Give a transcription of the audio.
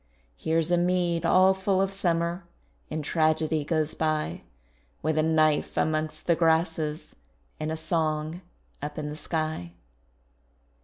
Here's a mead all full of summer, And tragedy goes by With a knife amongst the grasses, And a song up in the sky.